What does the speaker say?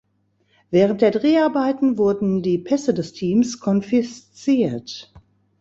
Während der Dreharbeiten wurden die Pässe des Teams konfisziert.